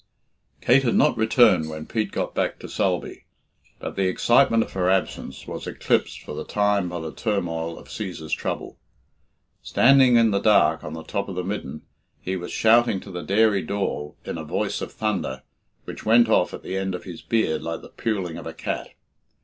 Kate had not returned when Pete got back to Sulby, but the excitement of her absence was eclipsed for the time by the turmoil of Cæsar's trouble. Standing in the dark on the top of the midden, he was shouting to the dairy door in a voice of thunder, which went off at the end of his beard like the puling of a cat.